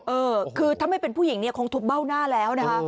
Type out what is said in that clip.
เออคือถ้าไม่เป็นผู้หญิงเนี่ยคงทุบเบ้าหน้าแล้วนะคะ